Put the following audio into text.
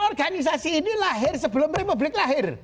organisasi ini lahir sebelum republik lahir